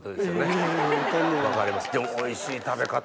おいしい食べ方！